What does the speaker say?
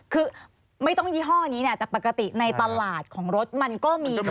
คือไม่ต้องยี่ห้อนี้เนี่ยแต่ปกติในตลาดของรถมันก็มี